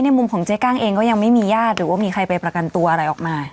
โหยังติดไม่ได้